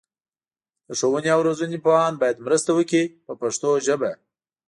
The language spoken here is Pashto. د ښوونې او روزنې پوهان باید مرسته وکړي په پښتو ژبه.